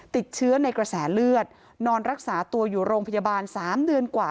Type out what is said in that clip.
ติดเชื้อในกระแสเลือดนอนรักษาตัวอยู่โรงพยาบาล๓เดือนกว่า